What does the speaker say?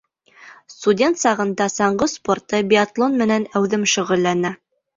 Студент сағында саңғы спорты, биатлон менән әүҙем шөғөлләнә.